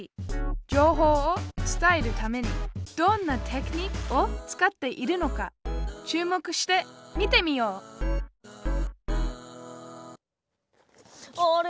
情報を伝えるためにどんなテクニックを使っているのか注目して見てみようあれ？